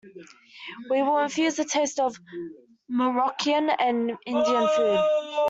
We will infuse the taste of Moroccan and Indian food.